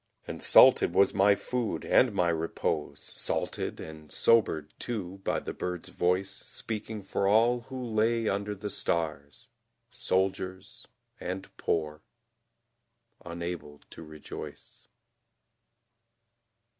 And salted was my food, and my repose, Salted and sobered, too, by the bird's voice Speaking for all who lay under the stars, Soldiers and poor, unable to rejoice.